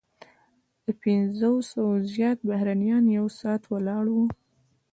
له پنځوسو زیات بهرنیان یو ساعت ولاړ وو.